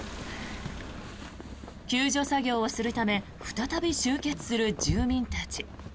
救助作業をするため再び集結する住民たち。